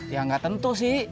ya nggak tentu sih